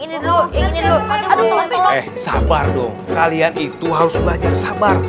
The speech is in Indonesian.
ini dulu sabar dong kalian itu harus belajar sabar